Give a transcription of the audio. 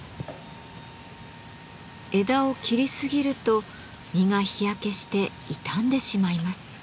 枝を切りすぎると実が日焼けして傷んでしまいます。